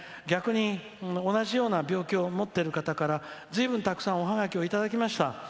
逆に同じような病気を持っている方からずいぶん、たくさんおハガキをいただきました。